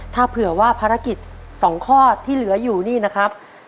ถ้าเผื่อว่าภารกิจ๒ข้อที่เหลืออยู่นี่นะครับ